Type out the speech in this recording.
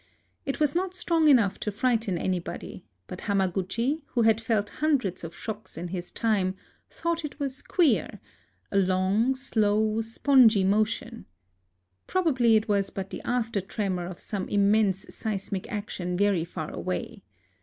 It was not strong enough to frighten anybody ; but Hamaguchi, who had felt hundreds of shocks in his time, thought it was queer, — a long, slow, spongy motion. Probably it was but the after tremor of some immense seismic action very far away.